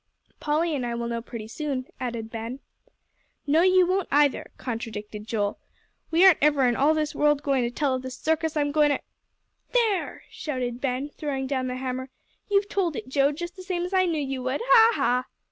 "Polly and I will know pretty soon," added Ben. "No, you won't, either," contradicted Joel. "We aren't ever in all this world goin' to tell of the circus I'm goin' to " "There!" shouted Ben, throwing down the hammer. "You've told it, Joe, just the same as I knew you would. Ha, ha!"